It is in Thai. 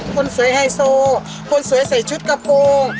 คนสวยไฮโซคนสวยใส่ชุดกระโปรง